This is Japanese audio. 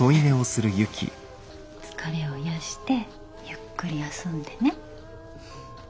疲れを癒やしてゆっくり休んでね。